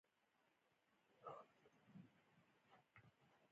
بلاخره په یو دېرش کال کې اوکتاویان بریالی شو